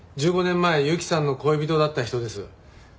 １５年前雪さんの恋人だった人です。